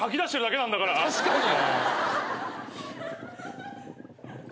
確かに。